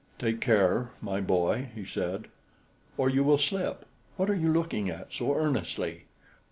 "Take care, my boy," he said, "or you will slip. What are you looking at so earnestly?"